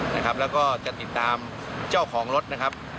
แล้วก็จะติดตามเจ้าของรถนะครับ